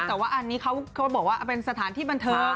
แต่ว่าอันนี้เขาบอกว่าเป็นสถานที่บันเทิง